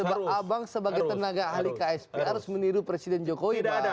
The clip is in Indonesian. bang ali ini sebagai tenaga ahli ksp harus meniru presiden jokowi pak